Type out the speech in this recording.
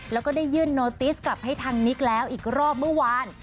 แล้วก็ได้ยื่นโนติสกลับให้ทางนิกแล้วอีกรอบเมื่อวาน